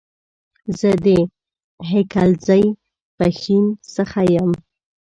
زه د هيکلزئ ، پښين سخه يم